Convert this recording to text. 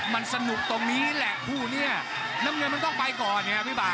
มันสนุกตรงนี้แหละคู่นี้น้ำเงินมันต้องไปก่อนไงพี่บ่า